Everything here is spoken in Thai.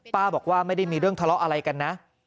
บอกว่าไม่ได้มีเรื่องทะเลาะอะไรกันนะ